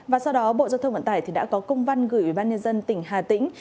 và sau đó bộ giao thông vận tải đã có công văn gửi ủy ban nhân dân tỉnh hà tĩnh